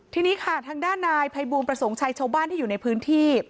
ทางด้านนายภัยบูมประสงค์ชายชาวบ้านที่อยู่ในพื้นที่